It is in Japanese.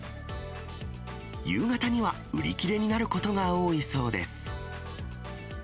夕方には売り切れになることが多いそうです。